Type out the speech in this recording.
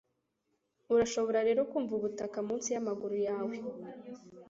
urashobora rero kumva ubutaka munsi yamaguru yawe